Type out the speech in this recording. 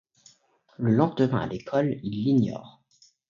Le lendemain, à l'école, il l'ignore.